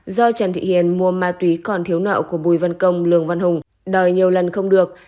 do trần thị hiền mua ma túy còn thiếu nợ của bùi văn công lường văn hùng đòi nhiều lần không được